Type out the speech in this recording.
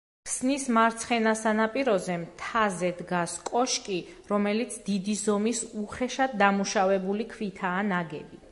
ქსნის მარცხენა სანაპიროზე, მთაზე დგას კოშკი, რომელიც დიდი ზომის უხეშად დამუშავებული ქვითაა ნაგები.